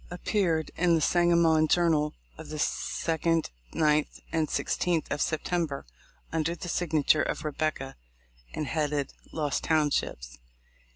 appeared in the Sangamon Journal, of the 2d, 9th, and 16th of September, under the signature of "Rebecca," and headed "Lost Townships."